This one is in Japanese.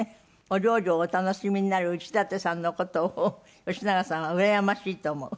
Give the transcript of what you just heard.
お料理をお楽しみになる内館さんの事を吉永さんはうらやましいと思う。